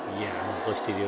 残してるよ